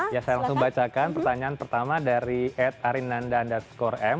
ya saya langsung bacakan pertanyaan pertama dari ed arinanda andat score m